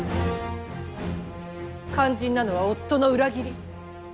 肝心なのは夫の裏切り！